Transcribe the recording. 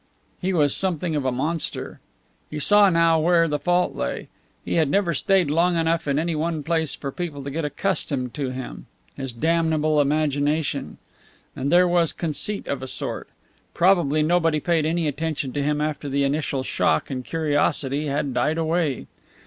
He was something of a monster. He saw now where the fault lay. He had never stayed long enough in any one place for people to get accustomed to him. His damnable imagination! And there was conceit of a sort. Probably nobody paid any attention to him after the initial shock and curiosity had died away.